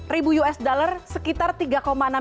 dua ratus lima puluh ribu usd sekitar tiga enam miliar rupiah